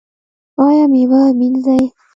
ایا میوه مینځئ؟